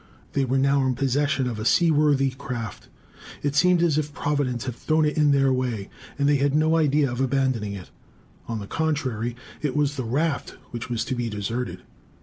They were now in possession of a seaworthy craft. It seemed as if Providence had thrown it in their way; and they had no idea of abandoning it. On the contrary, it was the raft which was to be deserted.